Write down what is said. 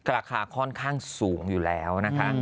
ราคาค่อนข้างสูงอยู่แล้วนะคะ